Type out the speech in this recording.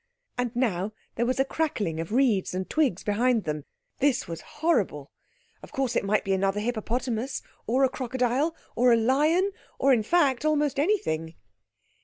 And now there was a crackling of reeds and twigs behind them. This was horrible. Of course it might be another hippopotamus, or a crocodile, or a lion—or, in fact, almost anything.